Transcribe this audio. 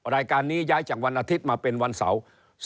รายการนี้ย้ายจากวันอาทิตย์มาเป็นวันเสาร์